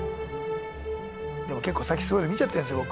でも結構さっきそういうの見ちゃったんですよ